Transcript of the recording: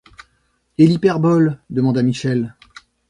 Et l’hyperbole ? demanda Michel.